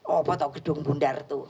oh apa tau gedung bundar itu